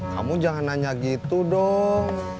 kamu jangan nanya gitu dong